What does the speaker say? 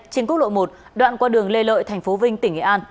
trên quốc lộ một đoạn qua đường lê lợi tp vinh tỉnh nghệ an